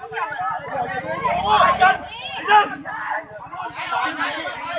หล่อหล่อหล่อหล่อหล่อหล่อหล่อหล่อหล่อหล่อ